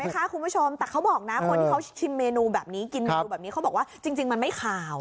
คุณผู้ชมแต่เขาบอกนะคนที่เขาชิมเมนูแบบนี้กินเมนูแบบนี้เขาบอกว่าจริงมันไม่ขาว